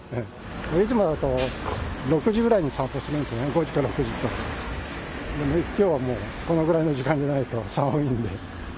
いつもだと、６時ぐらいに散歩するんですよね、５時か６時か、でもきょうはもう、このぐらいの時間でないと寒いんで。